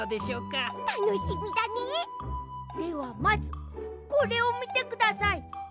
まずこれをみてください。